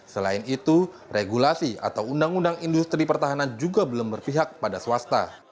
selain itu regulasi atau undang undang industri pertahanan juga belum berpihak pada swasta